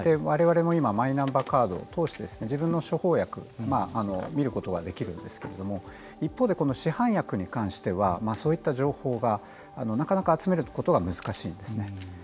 われわれも今マイナンバーカードを通して自分の処方薬を見ることができるんですけれども一方で市販薬に関してはそういった情報がなかなか集めることが難しいんですね。